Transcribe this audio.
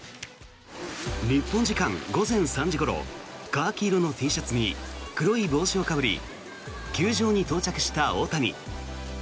日本時間午前３時ごろカーキ色のＴシャツに黒い帽子をかぶり球場に到着した大谷。